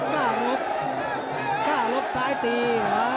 ก้าลบซ้ายตี